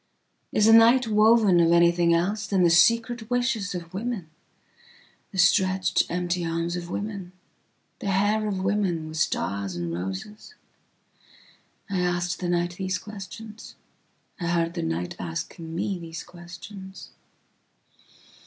Is the night woven of anything elsethan the secret wishes of women, the stretched empty arms of women?the hair of women with stars and roses?I asked the night these questions.I heard the night asking me these questions.